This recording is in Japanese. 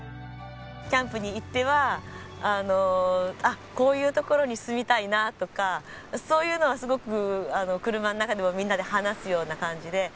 キャンプに行ってはあっこういう所に住みたいなとかそういうのはすごく車の中でもみんなで話すような感じで。